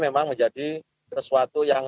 memang menjadi sesuatu yang